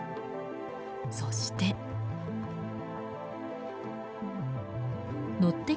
そして。